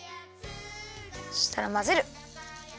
そしたらまぜる！